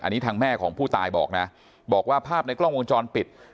อันนี้ทางแม่ของผู้ตายบอกนะบอกว่าภาพในกล้องวงจรปิด